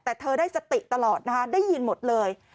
แต่เธอได้สติตลอดนะคะได้ยินหมดเลย